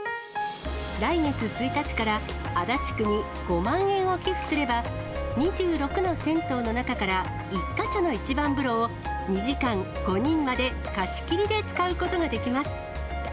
来月１日から足立区に５万円を寄付すれば、２６の銭湯の中から１か所の一番風呂を２時間５人まで貸し切りで使うことができます。